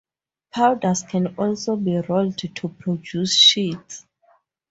Powders can also be rolled to produce sheets.